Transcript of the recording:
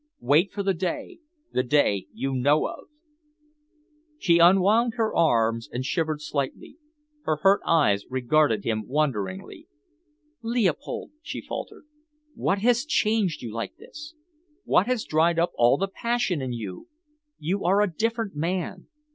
Wait for the day, the day you know of." She unwound her arms and shivered slightly. Her hurt eyes regarded him wonderingly. "Leopold," she faltered, "what has changed you like this? What has dried up all the passion in you? You are a different man.